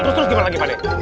terus terus gimana lagi pade